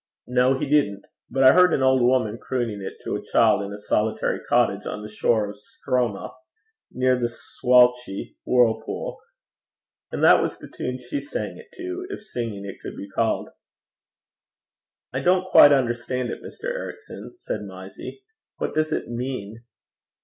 'No, he didn't. But I heard an old woman crooning it to a child in a solitary cottage on the shore of Stroma, near the Swalchie whirlpool, and that was the tune she sang it to, if singing it could be called.' 'I don't quite understand it, Mr. Ericson,' said Mysie. 'What does it mean?'